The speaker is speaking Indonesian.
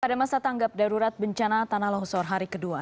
pada masa tanggap darurat bencana tanah longsor hari kedua